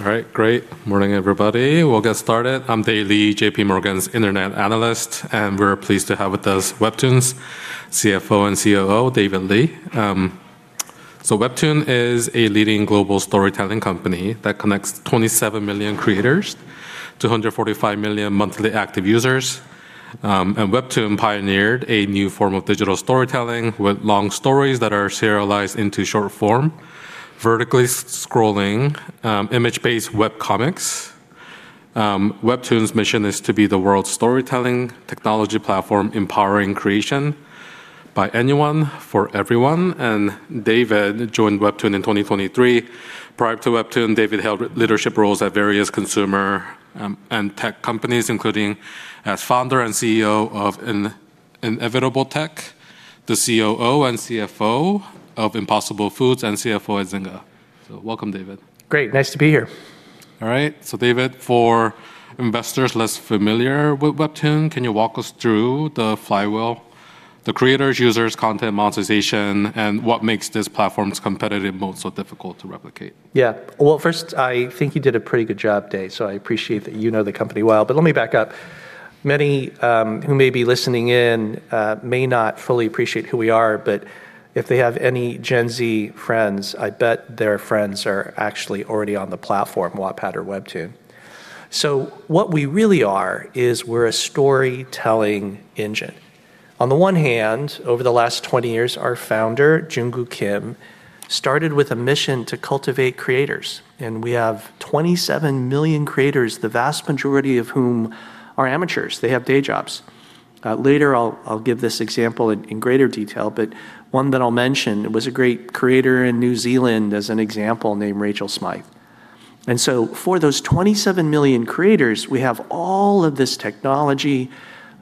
All right. Great. Morning, everybody. We'll get started. I'm Dae Lee, JPMorgan's internet analyst. We're pleased to have with us WEBTOON's CFO and COO, David Lee. WEBTOON is a leading global storytelling company that connects 27 million creators to 145 million monthly active users. WEBTOON pioneered a new form of digital storytelling with long stories that are serialized into short-form, vertically scrolling, image-based web comics. WEBTOON's mission is to be the world's storytelling technology platform empowering creation by anyone for everyone. David joined WEBTOON in 2023. Prior to WEBTOON, David held leadership roles at various consumer and tech companies, including as founder and CEO of Inevitable Tech, the COO and CFO of Impossible Foods, and CFO at Zynga. Welcome, David. Great. Nice to be here. All right. David, for investors less familiar with WEBTOON, can you walk us through the flywheel, the creators, users, content monetization, and what makes this platform's competitive moats so difficult to replicate? Yeah. Well, first, I think you did a pretty good job, Dae, I appreciate that you know the company well. Let me back up. Many who may be listening in may not fully appreciate who we are, but if they have any Gen Z friends, I bet their friends are actually already on the platform, Wattpad or WEBTOON. What we really are is we're a storytelling engine. On the one hand, over the last 20 years, our founder, Junkoo Kim, started with a mission to cultivate creators. We have 27 million creators, the vast majority of whom are amateurs. They have day jobs. Later I'll give this example in greater detail, but one that I'll mention was a great creator in New Zealand, as an example, named Rachel Smythe. For those 27 million creators, we have all of this technology.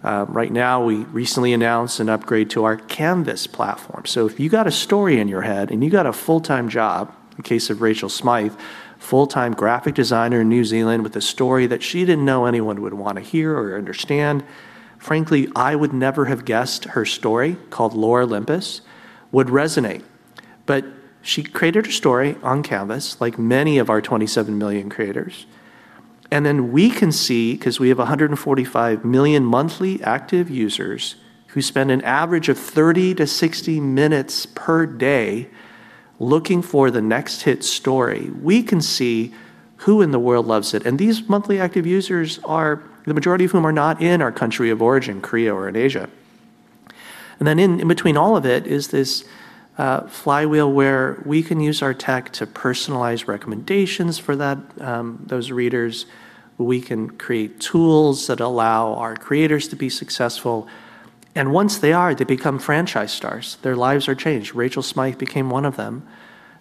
We recently announced an upgrade to our Canvas platform. If you've got a story in your head and you've got a full-time job, in case of Rachel Smythe, full-time graphic designer in New Zealand with a story that she didn't know anyone would want to hear or understand. Frankly, I would never have guessed her story, called Lore Olympus, would resonate. She created her story on Canvas, like many of our 27 million creators. We can see, because we have 145 million monthly active users who spend an average of 30-60 minutes per day looking for the next hit story, we can see who in the world loves it. These monthly active users are, the majority of whom are not in our country of origin, Korea or in Asia. In between all of it is this flywheel where we can use our tech to personalize recommendations for those readers. We can create tools that allow our creators to be successful. Once they are, they become franchise stars. Their lives are changed. Rachel Smythe became one of them.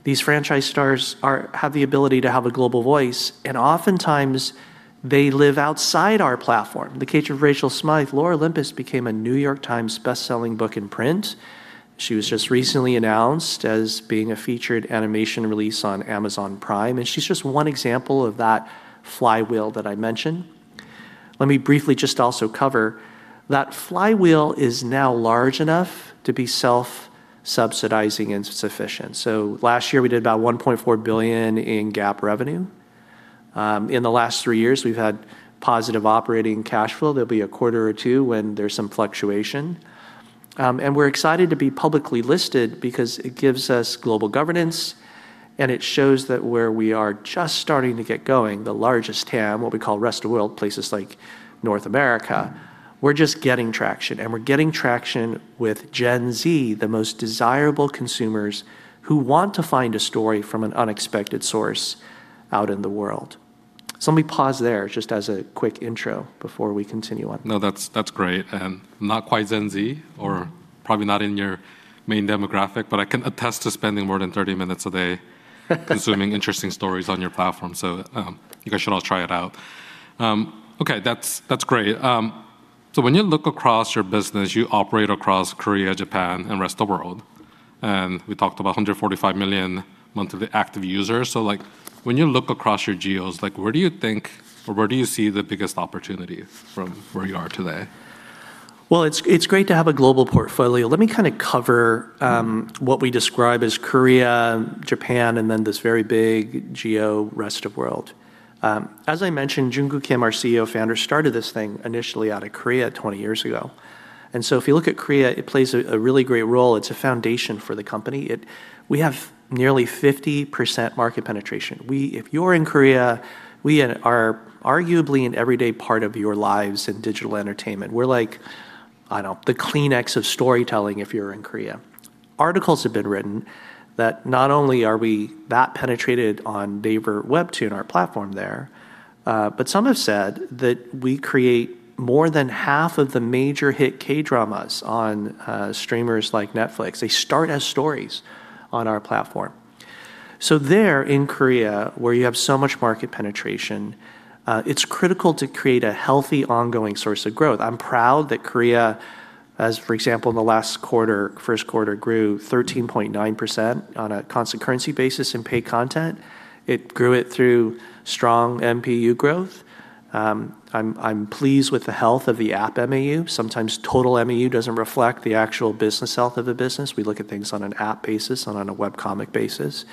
These franchise stars have the ability to have a global voice, and oftentimes they live outside our platform. In the case of Rachel Smythe, Lore Olympus became a New York Times bestselling book in print. She was just recently announced as being a featured animation release on Amazon Prime, and she's just one example of that flywheel that I mentioned. Let me briefly just also cover, that flywheel is now large enough to be self-subsidizing and sufficient. Last year we did about $1.4 billion in GAAP revenue. In the last three years, we've had positive operating cash flow. There'll be a quarter or two when there's some fluctuation. We're excited to be publicly listed because it gives us global governance and it shows that where we are just starting to get going, the largest TAM, what we call rest of world, places like North America, we're just getting traction. We're getting traction with Gen Z, the most desirable consumers who want to find a story from an unexpected source out in the world. Let me pause there just as a quick intro before we continue on. No, that's great. I'm not quite Gen Z, or probably not in your main demographic. I can attest to spending more than 30 minutes a day, consuming interesting stories on your platform. You guys should all try it out. Okay, that's great. When you look across your business, you operate across Korea, Japan, and rest of world. We talked about 145 million monthly active users. When you look across your geos, where do you think or where do you see the biggest opportunity from where you are today? Well, it's great to have a global portfolio. Let me kind of cover what we describe as Korea, Japan, and then this very big geo, rest of world. As I mentioned, Junkoo Kim, our CEO, Founder, started this thing initially out of Korea 20 years ago. If you look at Korea, it plays a really great role. It's a foundation for the company. We have nearly 50% market penetration. If you're in Korea, we are arguably an everyday part of your lives in digital entertainment. We're like, I don't know, the Kleenex of storytelling if you're in Korea. Articles have been written that not only are we that penetrated on Naver WEBTOON, our platform there, but some have said that we create more than half of the major hit K-dramas on streamers like Netflix. They start as stories on our platform. There in Korea, where you have so much market penetration, it's critical to create a healthy, ongoing source of growth. I'm proud that Korea, as for example in the last quarter, first quarter, grew 13.9% on a constant currency basis in paid content. It grew it through strong MPU growth. I'm pleased with the health of the app MAU. Sometimes total MAU doesn't reflect the actual business health of the business. We look at things on an app basis and on a web comic basis.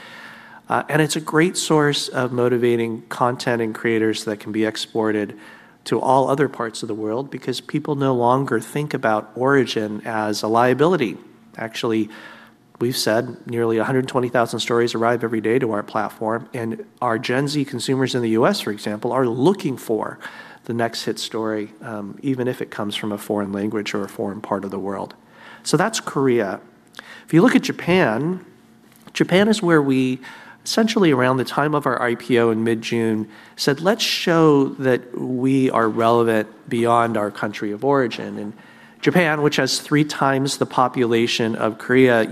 It's a great source of motivating content and creators that can be exported to all other parts of the world because people no longer think about origin as a liability. We've said nearly 120,000 stories arrive every day to our platform, and our Gen Z consumers in the U.S., for example, are looking for the next hit story, even if it comes from a foreign language or a foreign part of the world. That's Korea. If you look at Japan is where we essentially, around the time of our IPO in mid-June, said let's show that we are relevant beyond our country of origin. Japan, which has three times the population of Korea,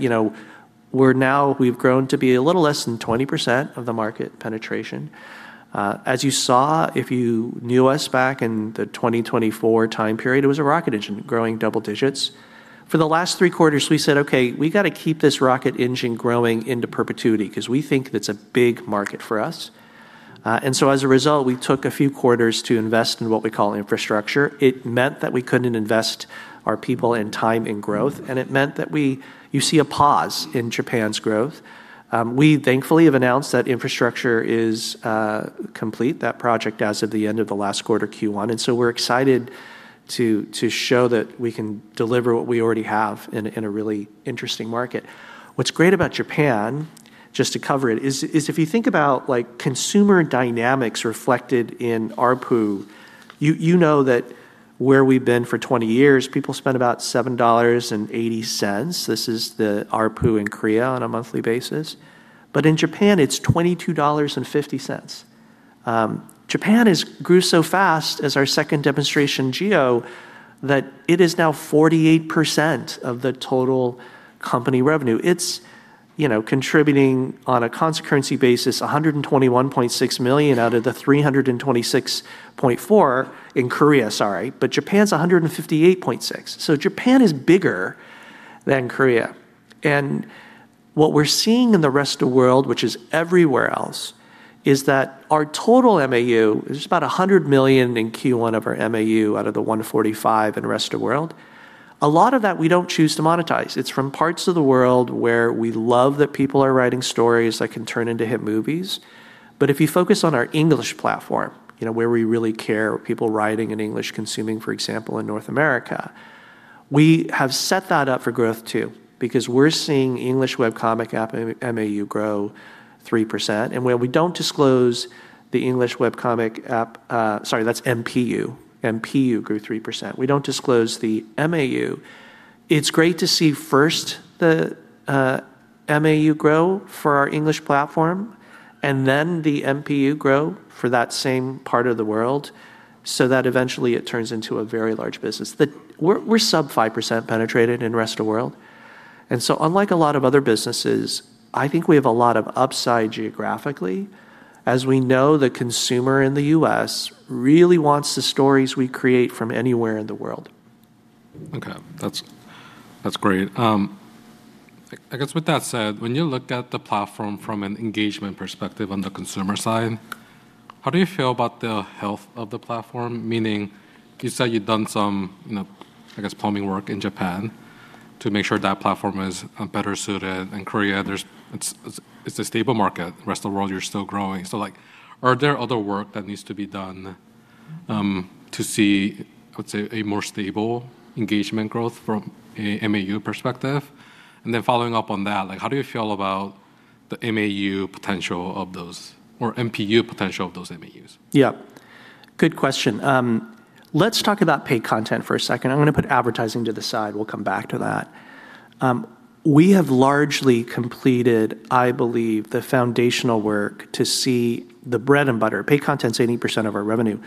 where now we've grown to be a little less than 20% of the market penetration. As you saw, if you knew us back in the 2024 time period, it was a rocket engine growing double digits. For the last three quarters, we said, okay, we've got to keep this rocket engine growing into perpetuity because we think that it's a big market for us. As a result, we took a few quarters to invest in what we call infrastructure. It meant that we couldn't invest our people and time and growth, it meant that you see a pause in Japan's growth. We thankfully have announced that infrastructure is complete, that project, as of the end of the last quarter Q1. We're excited to show that we can deliver what we already have in a really interesting market. What's great about Japan, just to cover it is, if you think about consumer dynamics reflected in ARPU, you know that where we've been for 20 years, people spend about $7.80. This is the ARPU in Korea on a monthly basis. In Japan, it's $22.50. Japan grew so fast as our second demonstration geo that it is now 48% of the total company revenue. It's contributing on a constant currency basis, $121.6 million out of the $326.4 in Korea, sorry. Japan is $158.6. Japan is bigger than Korea. What we're seeing in the rest of world, which is everywhere else, is that our total MAU is about 100 million in Q1 of our MAU out of the 145 in the rest of world. A lot of that we don't choose to monetize. It's from parts of the world where we love that people are writing stories that can turn into hit movies. If you focus on our English platform, where we really care, people writing in English, consuming, for example, in North America, we have set that up for growth too, because we're seeing English web comic MAU grow 3%. Where we don't disclose the English web comic MPU. MPU grew 3%. We don't disclose the MAU. It's great to see first the MAU grow for our English platform and then the MPU grow for that same part of the world, so that eventually it turns into a very large business. We're sub 5% penetrated in rest of world. Unlike a lot of other businesses, I think we have a lot of upside geographically as we know the consumer in the U.S. really wants the stories we create from anywhere in the world. Okay. That's great. I guess with that said, when you look at the platform from an engagement perspective on the consumer side, how do you feel about the health of the platform? Meaning you said you've done some, I guess, plumbing work in Japan to make sure that platform is better suited. In Korea, it's a stable market. Rest of world, you're still growing. Are there other work that needs to be done to see, let's say, a more stable engagement growth from a MAU perspective? Following up on that, how do you feel about the MAU potential of those, or MPU potential of those MAUs? Good question. Let's talk about paid content for a second. I'm going to put advertising to the side. We'll come back to that. We have largely completed, I believe, the foundational work to see the bread and butter, paid content is 80% of our revenue,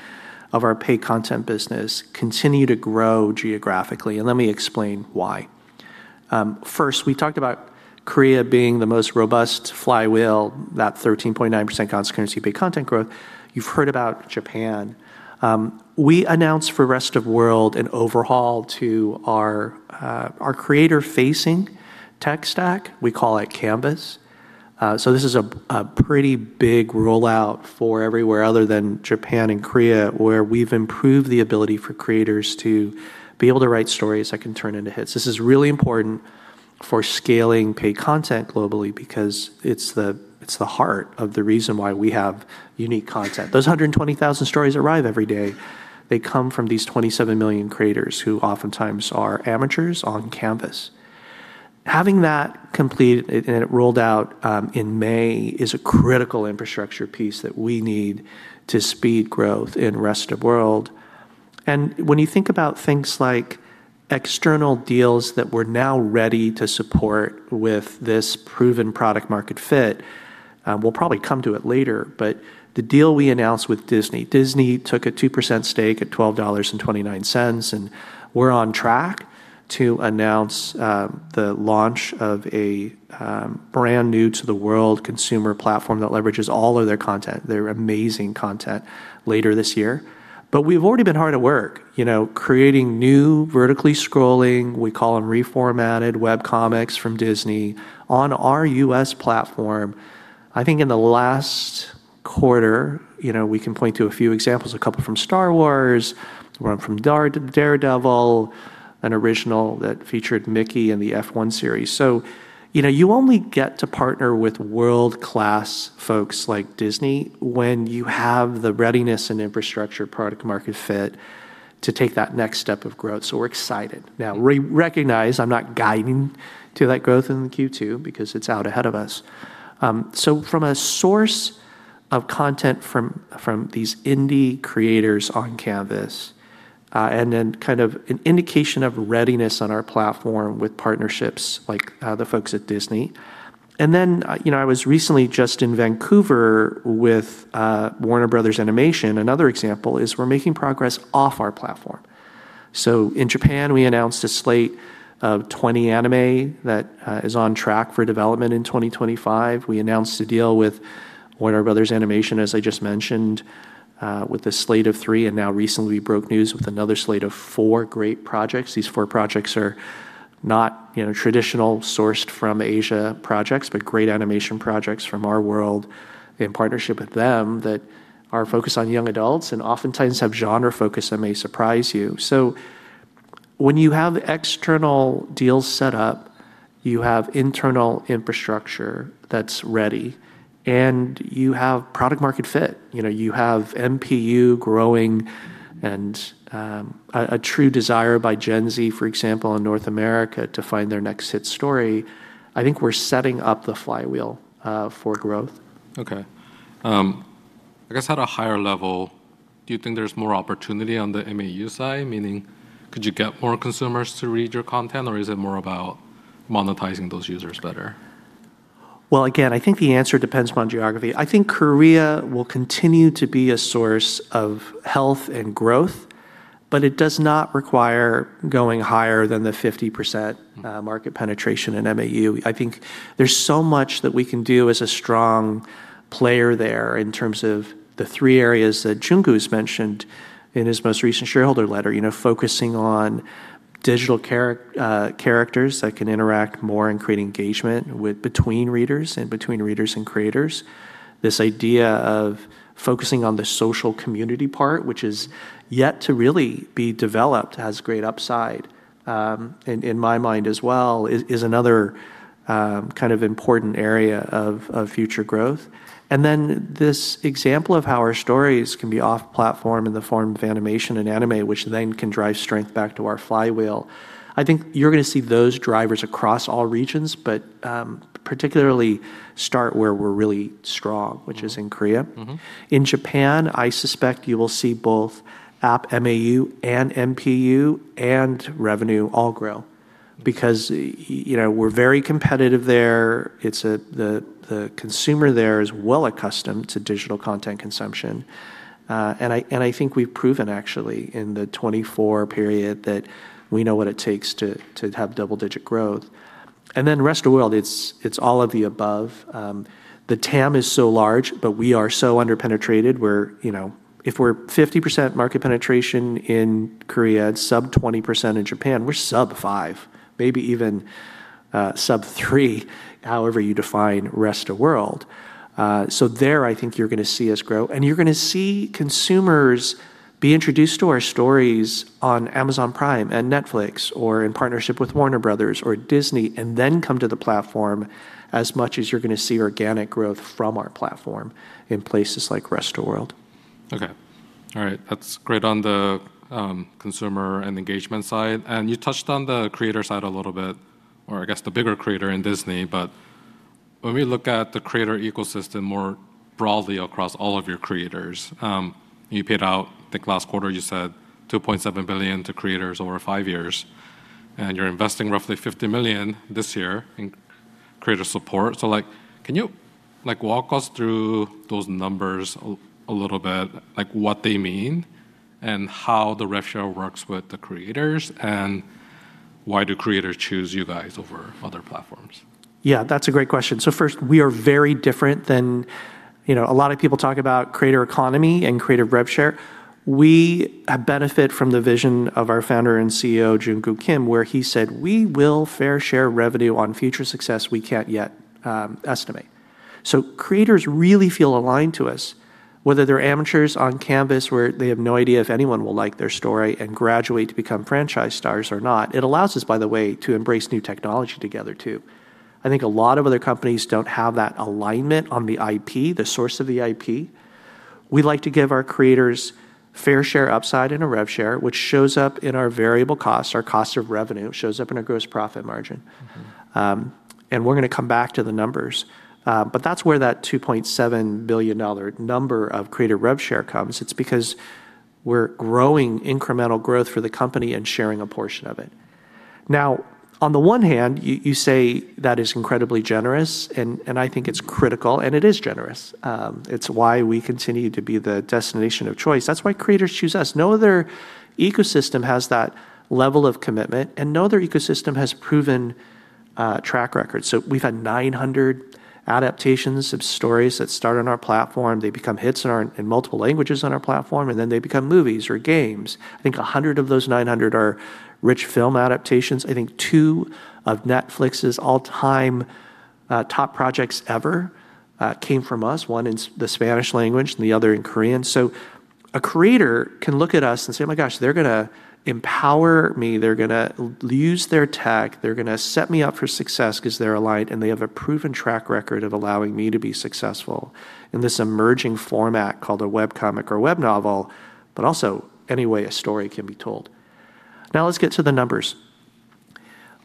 of our paid content business continue to grow geographically. Let me explain why. First, we talked about Korea being the most robust flywheel, that 13.9% constant currency paid content growth. You've heard about Japan. We announced for rest of world an overhaul to our creator-facing tech stack. We call it Canvas. This is a pretty big rollout for everywhere other than Japan and Korea, where we've improved the ability for creators to be able to write stories that can turn into hits. This is really important for scaling paid content globally because it's the heart of the reason why we have unique content. Those 120,000 stories arrive every day. They come from these 27 million creators who oftentimes are amateurs on Canvas. Having that completed, and it rolled out in May, is a critical infrastructure piece that we need to speed growth in rest of world. When you think about things like external deals that we're now ready to support with this proven product market fit, we'll probably come to it later, but the deal we announced with Disney. Disney took a 2% stake at $12.29, and we're on track to announce the launch of a brand new to the world consumer platform that leverages all of their content, their amazing content, later this year. We've already been hard at work creating new vertically scrolling, we call them reformatted web comics from Disney on our U.S. platform. I think in the last quarter, we can point to a few examples, a couple from Star Wars, one from Daredevil, an original that featured Mickey in the F1 series. You only get to partner with world-class folks like Disney when you have the readiness and infrastructure product market fit to take that next step of growth. We're excited. Now, recognize I'm not guiding to that growth in the Q2 because it's out ahead of us. From a source of content from these indie creators on Canvas, and then kind of an indication of readiness on our platform with partnerships like the folks at Disney. Then I was recently just in Vancouver with Warner Bros. Animation. Another example is we're making progress off our platform. In Japan, we announced a slate of 20 anime that is on track for development in 2025. We announced a deal with Warner Bros. Animation, as I just mentioned, with a slate of three, and now recently we broke news with another slate of four great projects. These four projects are not traditional sourced-from-Asia projects, but great animation projects from our world in partnership with them that are focused on young adults, and oftentimes have genre focus that may surprise you. When you have external deals set up, you have internal infrastructure that's ready, and you have product market fit. You have MPU growing and a true desire by Gen Z, for example, in North America, to find their next hit story. I think we're setting up the flywheel for growth. Okay. I guess at a higher level, do you think there's more opportunity on the MAU side, meaning could you get more consumers to read your content, or is it more about monetizing those users better? Well, again, I think the answer depends upon geography. I think Korea will continue to be a source of health and growth, but it does not require going higher than the 50% market penetration in MAU. I think there's so much that we can do as a strong player there in terms of the three areas that Junkoo's mentioned in his most recent shareholder letter. Focusing on digital characters that can interact more and create engagement between readers and between readers and creators. This idea of focusing on the social community part, which is yet to really be developed, has great upside, in my mind as well, is another kind of important area of future growth. This example of how our stories can be off platform in the form of animation and anime, which then can drive strength back to our flywheel. I think you're going to see those drivers across all regions, but particularly start where we're really strong, which is in Korea. In Japan, I suspect you will see both app MAU and MPU and revenue all grow because we're very competitive there. The consumer there is well accustomed to digital content consumption. I think we've proven, actually, in the 2024 period, that we know what it takes to have double-digit growth. Rest of world, it's all of the above. The TAM is so large, but we are so under-penetrated. If we're 50% market penetration in Korea, sub 20% in Japan, we're sub five, maybe even sub three, however you define rest of world. There, I think you're going to see us grow, and you're going to see consumers be introduced to our stories on Amazon Prime and Netflix, or in partnership with Warner Bros. or Disney, and then come to the platform as much as you're going to see organic growth from our platform in places like rest of world. Okay. All right. That's great on the consumer and engagement side. You touched on the creator side a little bit, or I guess the bigger creator in Disney, but when we look at the creator ecosystem more broadly across all of your creators, you paid out, I think last quarter you said $2.7 billion to creators over five years, and you're investing roughly $50 million this year in creator support. Can you walk us through those numbers a little bit, like what they mean, and how the rev share works with the creators, and why do creators choose you guys over other platforms? Yeah, that's a great question. First, we are very different than a lot of people talk about creator economy and creator rev share. We benefit from the vision of our Founder and CEO, Junkoo Kim, where he said, "We will fair share revenue on future success we can't yet estimate." Creators really feel aligned to us, whether they're amateurs on Canvas where they have no idea if anyone will like their story and graduate to become franchise stars or not. It allows us, by the way, to embrace new technology together, too. I think a lot of other companies don't have that alignment on the IP, the source of the IP. We like to give our creators fair share upside in a rev share, which shows up in our variable costs, our cost of revenue. It shows up in our gross profit margin. We're going to come back to the numbers. That's where that $2.7 billion number of creator rev share comes. It's because we're growing incremental growth for the company and sharing a portion of it. On the one hand, you say that is incredibly generous, and I think it's critical, and it is generous. It's why we continue to be the destination of choice. That's why creators choose us. No other ecosystem has that level of commitment, and no other ecosystem has proven track record. We've had 900 adaptations of stories that start on our platform. They become hits in multiple languages on our platform, and then they become movies or games. I think 100 of those 900 are rich film adaptations. I think two of Netflix's all-time top projects ever came from us, one in the Spanish language and the other in Korean. A creator can look at us and say, "Oh my gosh, they're going to empower me. They're going to use their tech. They're going to set me up for success because they're aligned, and they have a proven track record of allowing me to be successful in this emerging format called a webcomic or web novel," but also any way a story can be told. Let's get to the numbers.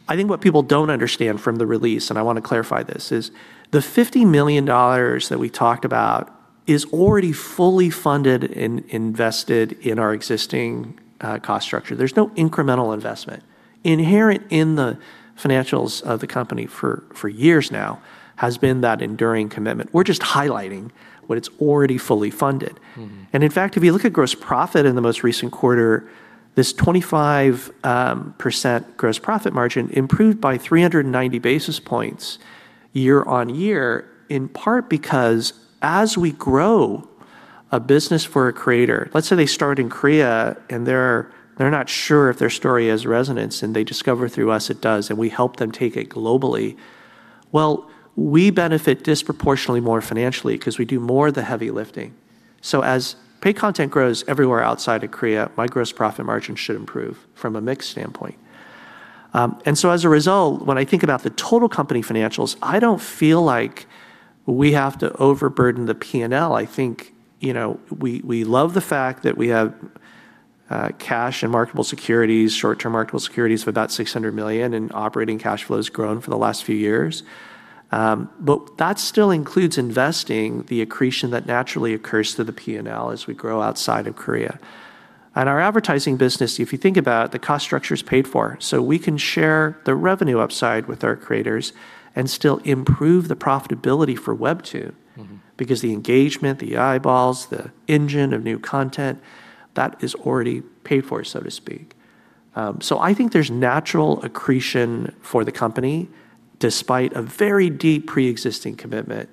I think what people don't understand from the release, and I want to clarify this, is the $50 million that we talked about is already fully funded and invested in our existing cost structure. There's no incremental investment. Inherent in the financials of the company for years now has been that enduring commitment. We're just highlighting what it's already fully funded. In fact, if you look at gross profit in the most recent quarter, this 25% gross profit margin improved by 390 basis points year-on-year, in part because as we grow a business for a creator, let's say they start in Korea, and they're not sure if their story has resonance, and they discover through us it does, and we help them take it globally. Well, we benefit disproportionately more financially because we do more of the heavy lifting. As paid content grows everywhere outside of Korea, my gross profit margin should improve from a mix standpoint. As a result, when I think about the total company financials, I don't feel like we have to overburden the P&L. I think we love the fact that we have cash and marketable securities, short-term marketable securities of about $600 million, and operating cash flow has grown for the last few years. That still includes investing the accretion that naturally occurs through the P&L as we grow outside of Korea. Our advertising business, if you think about it, the cost structure is paid for. We can share the revenue upside with our creators and still improve the profitability for WEBTOON. The engagement, the eyeballs, the engine of new content, that is already paid for, so to speak. I think there's natural accretion for the company, despite a very deep preexisting commitment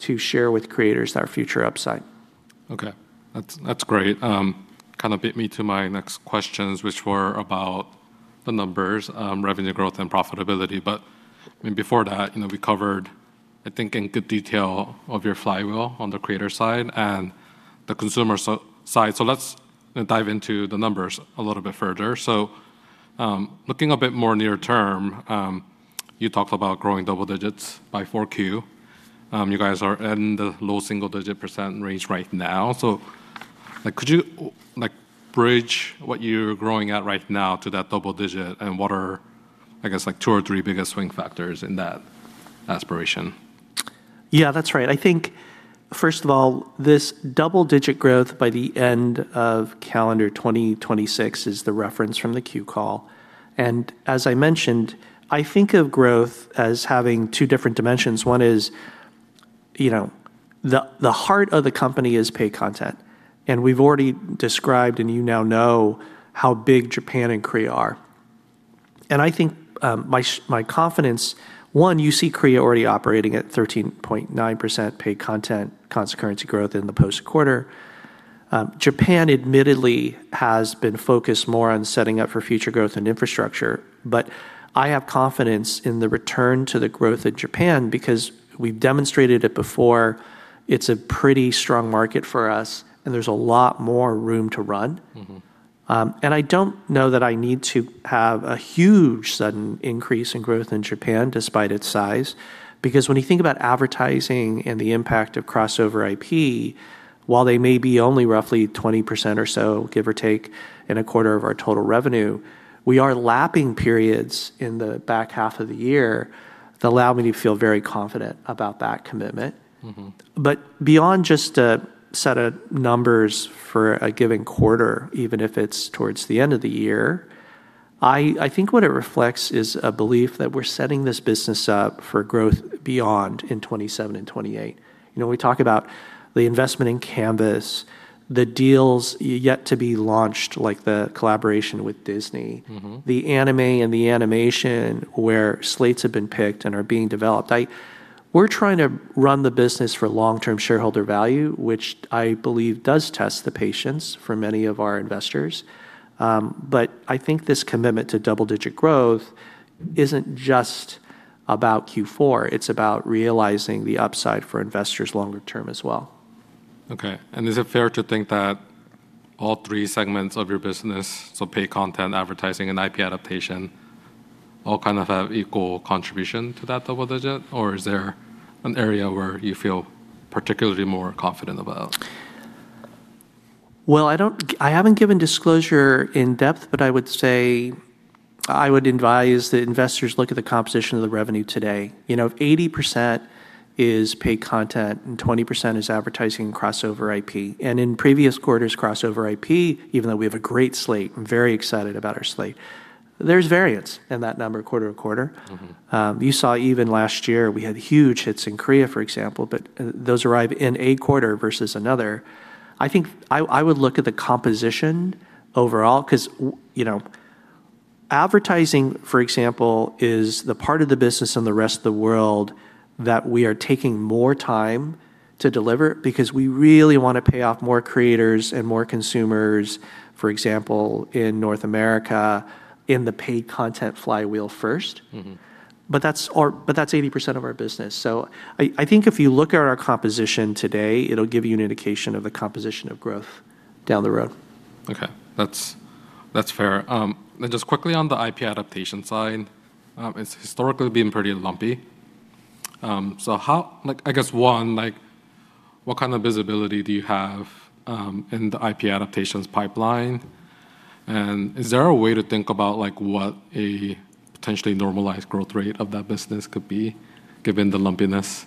to share with creators that are future upside. Okay. That's great. Kind of beat me to my next questions, which were about the numbers, revenue growth, and profitability. Before that, we covered, I think in good detail, of your flywheel on the creator side and the consumer side. Let's dive into the numbers a little bit further. Looking a bit more near term, you talked about growing double digits by 4Q. You guys are in the low single-digit percent range right now. Could you bridge what you're growing at right now to that double digit, and what are, I guess, two or three biggest swing factors in that aspiration? Yeah, that's right. I think, first of all, this double-digit growth by the end of calendar 2026 is the reference from the Q1 call. As I mentioned, I think of growth as having two different dimensions. One is the heart of the company is paid content. We've already described, and you now know how big Japan and Korea are. I think my confidence, one, you see Korea already operating at 13.9% paid content, constant currency growth in the post quarter. Japan admittedly has been focused more on setting up for future growth and infrastructure, but I have confidence in the return to the growth in Japan because we've demonstrated it before. It's a pretty strong market for us, and there's a lot more room to run. I don't know that I need to have a huge sudden increase in growth in Japan despite its size, because when you think about advertising and the impact of crossover IP, while they may be only roughly 20% or so, give or take, in a quarter of our total revenue, we are lapping periods in the back half of the year that allow me to feel very confident about that commitment. Beyond just a set of numbers for a given quarter, even if it's towards the end of the year, I think what it reflects is a belief that we're setting this business up for growth beyond in 2027 and 2028. We talk about the investment in Canvas, the deals yet to be launched, like the collaboration with Disney. The anime and the animation where slates have been picked and are being developed. We're trying to run the business for long-term shareholder value, which I believe does test the patience for many of our investors. I think this commitment to double-digit growth isn't just about Q4, it's about realizing the upside for investors longer term as well. Okay. Is it fair to think that all three segments of your business, so paid content, advertising, and IP adaptation, all kind of have equal contribution to that double digit? Is there an area where you feel particularly more confident about? Well, I haven't given disclosure in depth, but I would say I would advise that investors look at the composition of the revenue today. 80% is paid content and 20% is advertising and crossover IP. In previous quarters, crossover IP, even though we have a great slate, I'm very excited about our slate, there's variance in that number quarter to quarter. You saw even last year we had huge hits in Korea, for example. Those arrive in a quarter versus another. I think I would look at the composition overall because advertising, for example, is the part of the business in the rest of the world that we are taking more time to deliver, because we really want to pay off more creators and more consumers, for example, in North America in the paid content flywheel first. That's 80% of our business. I think if you look at our composition today, it'll give you an indication of the composition of growth down the road. Okay. That's fair. Just quickly on the IP adaptation side, it's historically been pretty lumpy. I guess, one, what kind of visibility do you have in the IP adaptations pipeline? Is there a way to think about what a potentially normalized growth rate of that business could be given the lumpiness?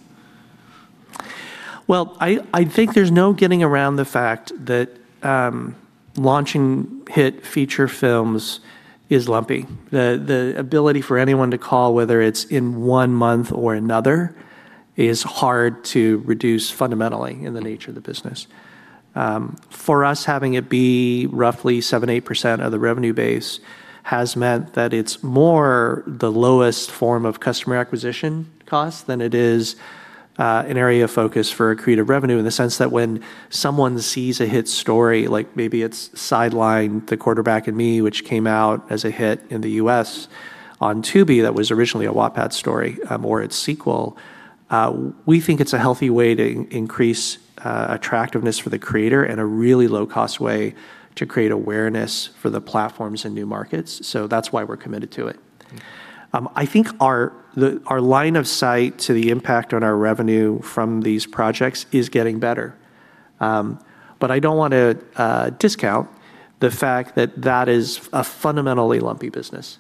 Well, I think there's no getting around the fact that launching hit feature films is lumpy. The ability for anyone to call, whether it's in one month or another, is hard to reduce fundamentally in the nature of the business. For us, having it be roughly 7%-8% of the revenue base has meant that it's more the lowest form of customer acquisition cost than it is an area of focus for accretive revenue in the sense that when someone sees a hit story, like maybe it's "Sidelined: The QB and Me," which came out as a hit in the U.S. on Tubi that was originally a Wattpad story, or its sequel, we think it's a healthy way to increase attractiveness for the creator and a really low-cost way to create awareness for the platforms in new markets. That's why we're committed to it. Okay. I think our line of sight to the impact on our revenue from these projects is getting better. I don't want to discount the fact that that is a fundamentally lumpy business.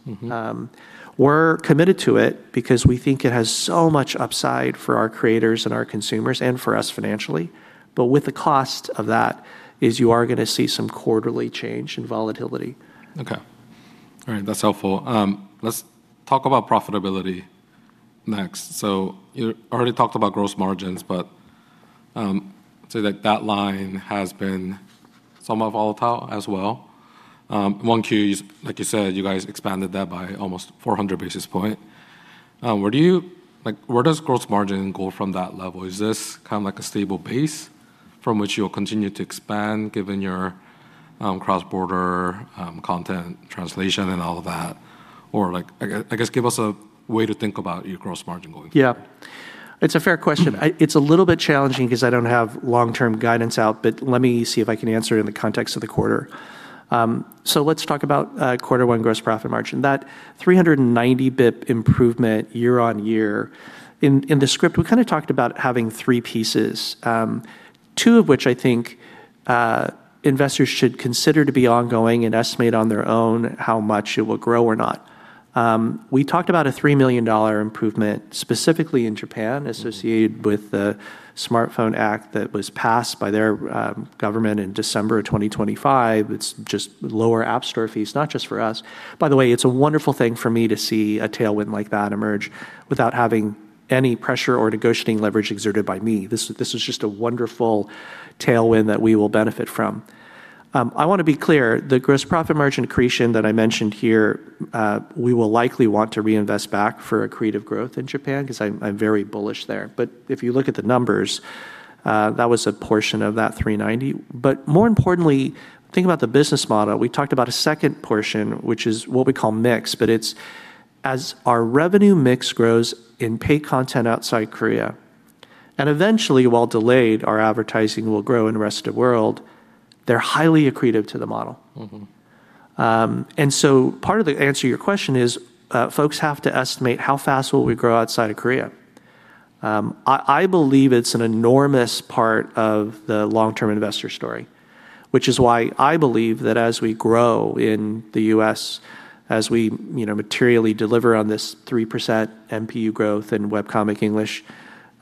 We're committed to it because we think it has so much upside for our creators and our consumers, and for us financially. With the cost of that is you are going to see some quarterly change and volatility. Okay. All right. That's helpful. Let's talk about profitability next. You already talked about gross margins, but say that line has been somewhat volatile as well. 1Q, like you said, you guys expanded that by almost 400 basis points. Where does gross margin go from that level? Is this a stable base from which you'll continue to expand given your cross-border content translation and all of that? I guess give us a way to think about your gross margin going forward. Yeah. It's a fair question. It's a little bit challenging because I don't have long-term guidance out, but let me see if I can answer it in the context of the quarter. Let's talk about quarter one gross profit margin. That 390 basis points improvement year-over-year. In the script, we kind of talked about having three pieces, two of which I think investors should consider to be ongoing and estimate on their own how much it will grow or not. We talked about a $3 million improvement specifically in Japan associated with the Smartphone Act that was passed by their government in December of 2025. It's just lower App Store fees, not just for us. By the way, it's a wonderful thing for me to see a tailwind like that emerge without having any pressure or negotiating leverage exerted by me. This was just a wonderful tailwind that we will benefit from. I want to be clear, the gross profit margin accretion that I mentioned here, we will likely want to reinvest back for accretive growth in Japan, because I'm very bullish there. If you look at the numbers, that was a portion of that $390. More importantly, think about the business model. We talked about a second portion, which is what we call mix, but it's as our revenue mix grows in paid content outside Korea, and eventually, while delayed, our advertising will grow in the rest of the world, they're highly accretive to the model. Part of the answer to your question is, folks have to estimate how fast will we grow outside of Korea. I believe it's an enormous part of the long-term investor story. Which is why I believe that as we grow in the U.S., as we materially deliver on this 3% MPU growth in WEBTOON English,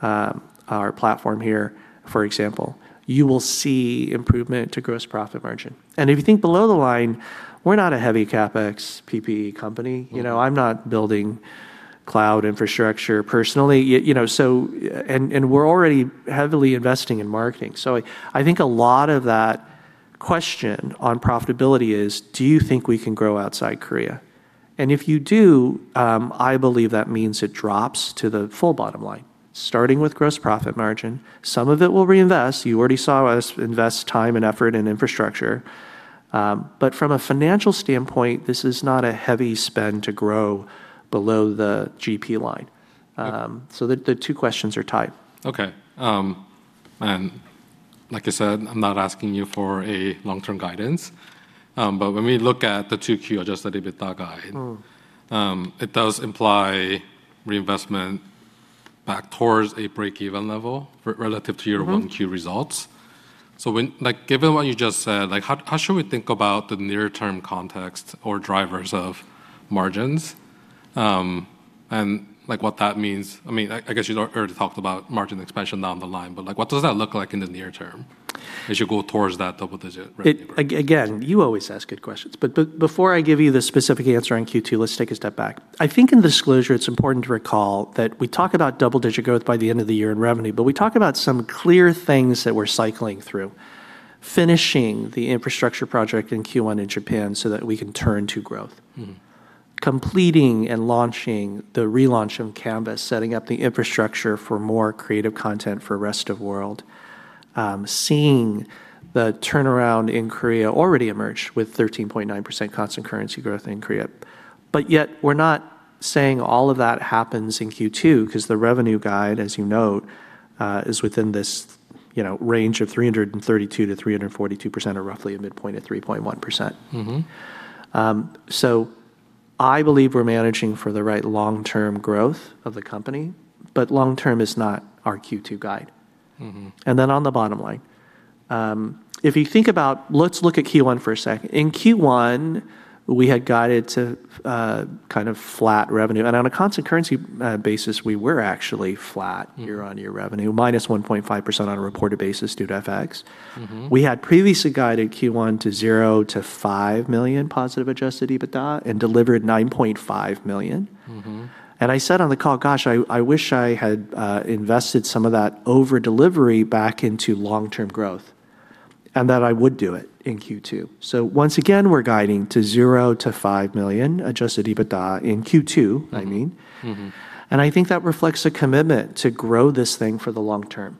our platform here, for example, you will see improvement to gross profit margin. If you think below the line, we're not a heavy CapEx, PPE company. I'm not building cloud infrastructure personally. I think a lot of that question on profitability is, do you think we can grow outside Korea? If you do, I believe that means it drops to the full bottom line, starting with gross profit margin. Some of it we'll reinvest. You already saw us invest time and effort in infrastructure. From a financial standpoint, this is not a heavy spend to grow below the GP line. Okay. The two questions are tied. Okay. Like I said, I'm not asking you for a long-term guidance. When we look at the 2Q Adjusted EBITDA guide. It does imply reinvestment back towards a break-even level relative to 1Q results. Given what you just said, how should we think about the near-term context or drivers of margins? What that means, I guess you already talked about margin expansion down the line, but what does that look like in the near term as you go towards that double-digit revenue? Again, you always ask good questions. Before I give you the specific answer on Q2, let's take a step back. I think in disclosure, it's important to recall that we talk about double-digit growth by the end of the year in revenue, but we talk about some clear things that we're cycling through. Finishing the infrastructure project in Q1 in Japan so that we can turn to growth. Completing and launching the relaunch of Canvas, setting up the infrastructure for more creative content for rest of world. Seeing the turnaround in Korea already emerge with 13.9% constant currency growth in Korea. Yet we're not saying all of that happens in Q2 because the revenue guide, as you note, is within this range of 332%-342%, or roughly a midpoint of 3.1%. I believe we're managing for the right long-term growth of the company, but long-term is not our Q2 guide. On the bottom line, let's look at Q1 for a second. In Q1, we had guided to kind of flat revenue. On a constant currency basis, we were actually flat year-on-year revenue, -1.5% on a reported basis due to FX. We had previously guided Q1 to $0 million-$5 million positive Adjusted EBITDA and delivered $9.5 million. I said on the call, gosh, I wish I had invested some of that over-delivery back into long-term growth, and that I would do it in Q2. Once again, we're guiding to $0 million-$5 million Adjusted EBITDA in Q2, I mean. I think that reflects a commitment to grow this thing for the long term.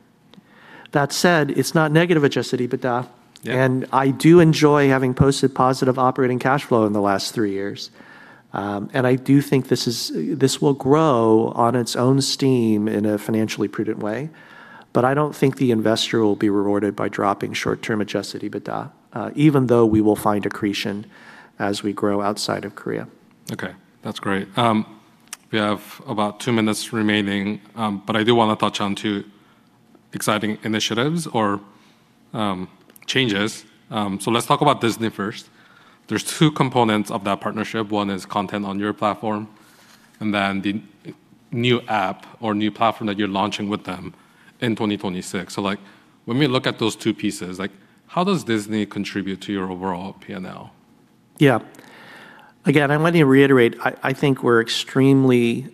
That said, it's not negative Adjusted EBITDA. Yeah. I do enjoy having posted positive operating cash flow in the last three years. I do think this will grow on its own steam in a financially prudent way, but I don't think the investor will be rewarded by dropping short-term Adjusted EBITDA, even though we will find accretion as we grow outside of Korea. Okay, that's great. We have about two minutes remaining, but I do want to touch on two exciting initiatives or changes. Let's talk about Disney first. There's two components of that partnership. One is content on your platform, and then the new app or new platform that you're launching with them in 2026. When we look at those two pieces, how does Disney contribute to your overall P&L? Again, I want to reiterate, I think we're extremely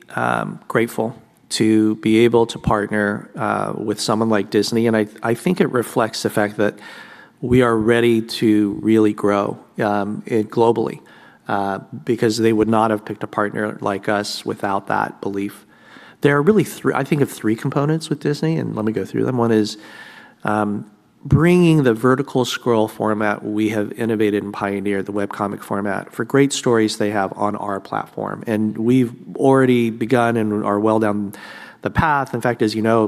grateful to be able to partner with someone like Disney, and I think it reflects the fact that we are ready to really grow globally, because they would not have picked a partner like us without that belief. There are really, I think, of three components with Disney, let me go through them. One is bringing the vertical scroll format we have innovated and pioneered, the web comic format, for great stories they have on our platform. We've already begun and are well down the path. In fact, as you know,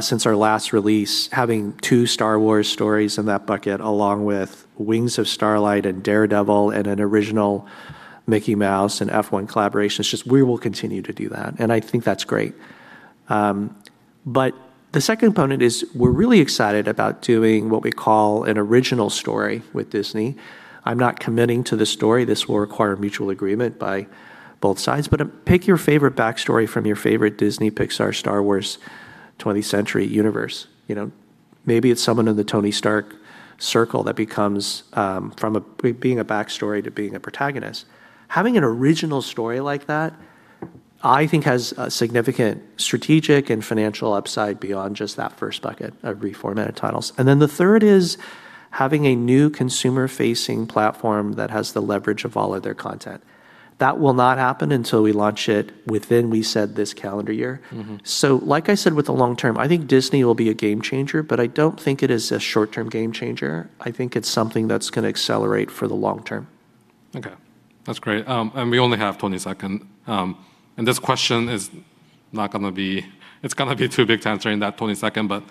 since our last release, having two Star Wars stories in that bucket, along with Wings of Fire and Daredevil and an original Mickey Mouse and F1 collaborations, we will continue to do that. I think that's great. The second component is we're really excited about doing what we call an original story with Disney. I'm not committing to the story. This will require mutual agreement by both sides. Pick your favorite backstory from your favorite Disney, Pixar, Star Wars, 20th Century universe. Maybe it's someone in the Tony Stark circle that becomes from being a backstory to being a protagonist. Having an original story like that, I think has a significant strategic and financial upside beyond just that first bucket of reformatted titles. The third is having a new consumer-facing platform that has the leverage of all of their content. That will not happen until we launch it within, we said, this calendar year. Like I said with the long term, I think Disney will be a game changer, but I don't think it is a short-term game changer. I think it's something that's going to accelerate for the long term. Okay, that's great. We only have 20 seconds, and this question is going to be too big to answer in that 20 seconds, but I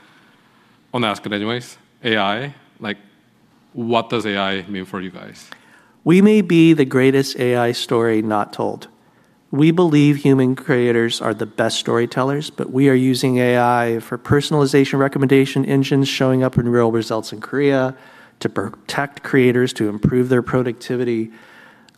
want to ask it anyways. AI, what does AI mean for you guys? We may be the greatest AI story not told. We believe human creators are the best storytellers, but we are using AI for personalization recommendation engines, showing up in real results in Korea to protect creators, to improve their productivity.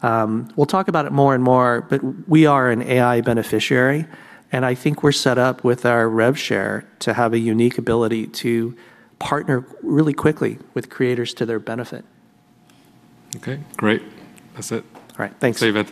We'll talk about it more and more, but we are an AI beneficiary, and I think we're set up with our rev share to have a unique ability to partner really quickly with creators to their benefit. Okay, great. That's it. All right. Thanks. Save it.